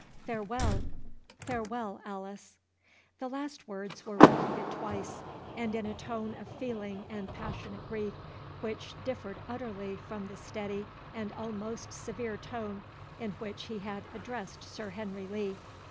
—Farewell— farewell, Alice!" The last words were repeated twice, and in a tone of feeling and passionate grief, which differed utterly from the steady and almost severe tone in which he had addressed Sir Henry Lee.